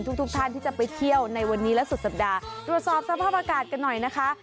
ทุกทุกท่านที่จะไปเที่ยวในวันนี้และสุดสัปดาห์ตรวจสอบสภาพอากาศกันหน่อยนะคะ